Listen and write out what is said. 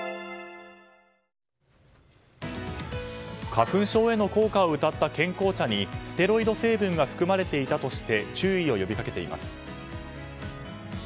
花粉症への効果をうたった健康茶にステロイド成分が含まれていたとして注意を呼びかけています。